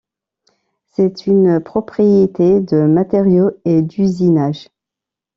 C’est une propriété de matériau et d’usinage.